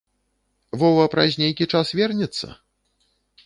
Вова праз нейкі час вернецца?